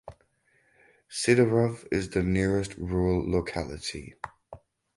Sidorov is the nearest rural locality.